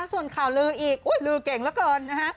ส่วนข่าวลืออีกลือเก่งเหลือเกินนะฮะ